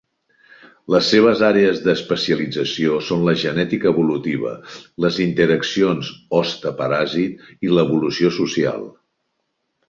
Les seves àrees d'especialització són la genètica evolutiva, les interaccions hoste-paràsit i l'evolució social.